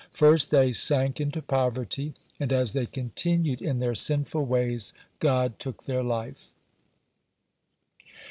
First they sank into poverty, and, as they continued in their sinful ways, God took their life.